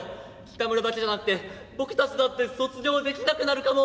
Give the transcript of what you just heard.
キタムラだけじゃなくて僕たちだって卒業できなくなるかも」。